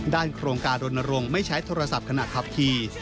ด้านโครงการดนตรงไม่ใช้โทรศัพท์ขนาดทับคีย์